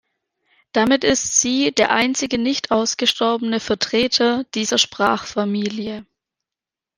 Damit ist sie der einzige nicht ausgestorbene Vertreter dieser Sprachfamilie.